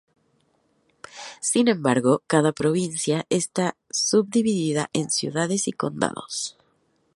Sin embargo, cada provincia está subdividida en ciudades y condados.